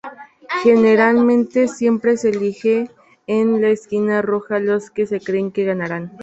Generalmente siempre se elige en la esquina roja los que creen que ganarán.